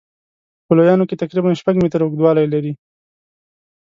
په لویانو کې تقریبا شپږ متره اوږدوالی لري.